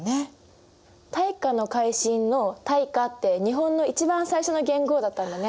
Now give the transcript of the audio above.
大化の改新の「大化」って日本の一番最初の元号だったんだね。